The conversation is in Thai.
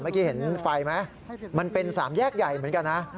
เมื่อกี้เห็นไฟไหมมันเป็นสามแยกใหญ่เหมือนกันนะ